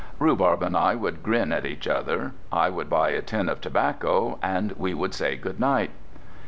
Rhubarb and I would grin at each other, I would buy a tin of tobacco, and we would say good night.